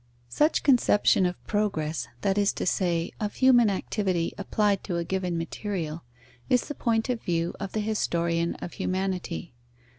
Such conception of progress, that is to say, of human activity applied to a given material, is the point of view of the historian of humanity.